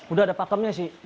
udah ada pakemnya sih